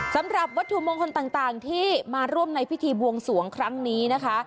สำหรับวัตถุมงคลต่างที่มาร่วมในพิธีบวงสวงครั้งนี้นะคะ